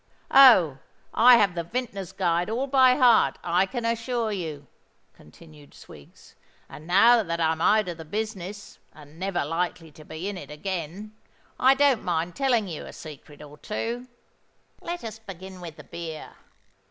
"Oh! I have the Vintners' Guides all by heart, I can assure you," continued Swiggs; "and now that I'm out of the business, and never likely to be in it again, I don't mind telling you a secret or two. Let us begin with the beer.